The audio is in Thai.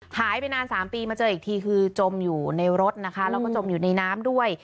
หายไปนาน๓ปีมาเจออีกทีคือจมอยู่ในรถนะคะแล้วก็จมอยู่ในน้ำด้วย